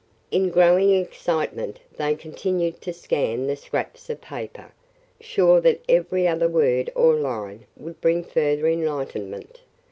In growing excitement they continued to scan the scraps of paper, sure that every other word or line would bring further enlightenment.